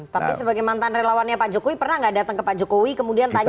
tapi sebagai mantan relawannya pak jokowi pernah nggak datang ke pak jokowi kemudian tanya